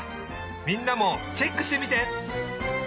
みんなもチェックしてみて！